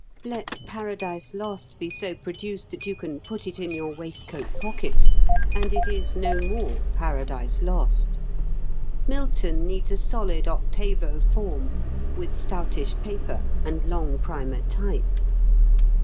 Let "Paradise Lost" be so produced that you can put it in your waistcoat pocket, and it is no more "Paradise Lost." Milton needs a solid octavo form, with stoutish paper and long primer type.